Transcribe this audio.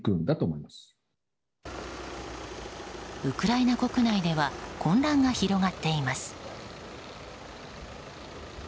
ウクライナ国内では混乱が広がっています。